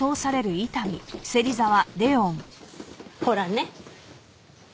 ほらね。